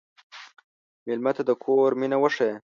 مېلمه ته د کور مینه وښیه.